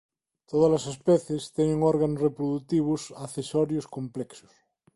Todas as especies teñen órganos reprodutivos accesorios complexos.